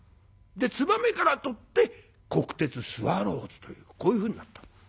で「つばめ」からとって国鉄スワローズというこういうふうになった。